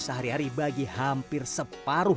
sehari hari bagi hampir separuh